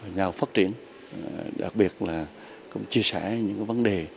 nhau phát triển đặc biệt là cũng chia sẻ những vấn đề